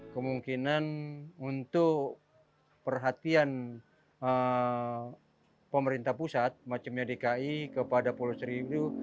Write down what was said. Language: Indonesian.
kemungkinan untuk perhatian pemerintah pusat macamnya dki kepada pulau seribu